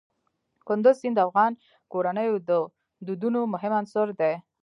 کندز سیند د افغان کورنیو د دودونو مهم عنصر دی.